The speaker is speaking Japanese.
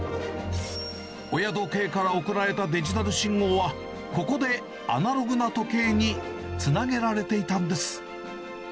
親時計から送られたデジタル信号は、ここでアナログな時計につなげられていたんです。